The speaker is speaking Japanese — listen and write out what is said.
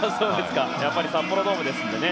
やっぱり札幌ドームですのでね。